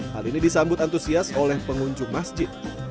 hal ini disambut antusias oleh pengunjung masjid